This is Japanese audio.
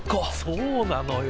そうなのよ。